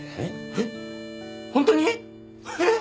えっホントに！？えっ！？